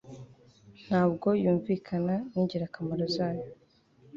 Ntabwo yunvikana ningirakamaro zayo